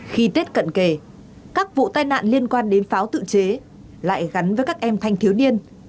khi tết cận kề các vụ tai nạn liên quan đến pháo tự chế lại gắn với các em thanh thiếu niên